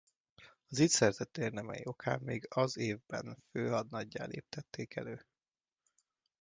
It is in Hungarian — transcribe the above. Az itt szerzett érdemei okán még ez évben főhadnaggyá léptették elő.